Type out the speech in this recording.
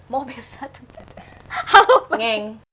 mobil satu halo pakcik